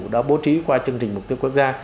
đã bố trí qua chương trình mục tiêu quốc gia